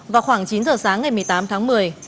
vào khoảng chín giờ sáng ngày một mươi tám tháng một mươi